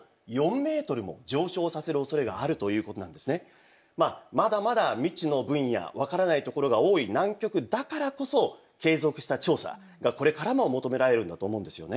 これがまだまだ未知の分野分からないところが多い南極だからこそ継続した調査がこれからも求められるんだと思うんですよね。